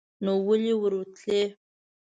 نو ولې ور وتلی ؟